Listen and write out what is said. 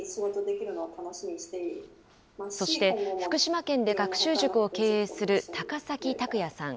そして、福島県で学習塾を経営する高崎拓也さん。